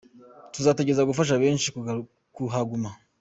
Tuzagerageza gufasha benshi kuhaguma.